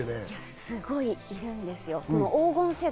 すごいいるんですよ、黄金世代。